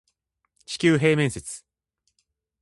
地球平面説